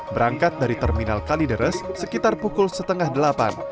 berangkat dari terminal kalideres sekitar pukul setengah delapan